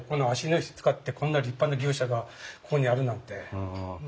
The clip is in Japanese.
芦野石使ってこんな立派な牛舎がここにあるなんて。